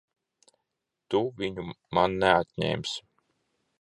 Tu viņu man neatņemsi!